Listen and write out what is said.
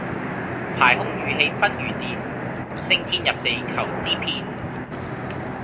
排空馭氣奔如電，升天入地求之遍。